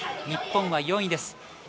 日本は４位です。